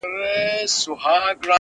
پاچهي لکه حباب نه وېشل کیږي!.